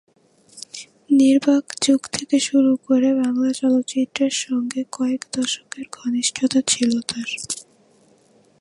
নির্বাক যুগ থেকে শুরু করে বাংলা চলচ্চিত্রের সংগে কয়েক দশকের ঘনিষ্ঠতা ছিলো তার।